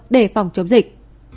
để phòng chống dịch